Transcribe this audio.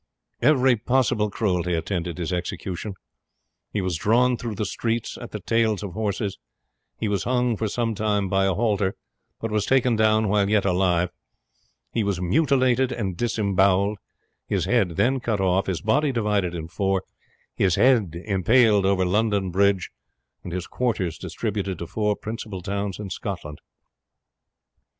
Every cruelty attended his execution. He was drawn through the streets at the tails of horses; he was hung for some time by a halter, but was taken down while yet alive; he was mutilated and disembowelled, his head then cut off, his body divided in four, his head impaled over London Bridge, and his quarters distributed to four principal towns in Scotland.